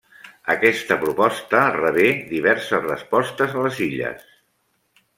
Aquesta proposta rebé diverses respostes a les illes.